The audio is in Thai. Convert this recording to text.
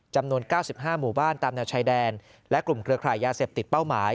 จำนวน๙๕หมู่บ้านตามแนวชายแดนและกลุ่มเครือข่ายยาเสพติดเป้าหมาย